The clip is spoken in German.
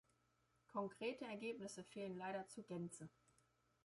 Konkrete Ergebnisse fehlen leider zur Gänze.